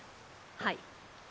はい。